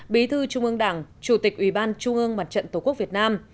bí thư trung ương đảng chủ tịch ủy ban trung ương mặt trận tổ quốc việt nam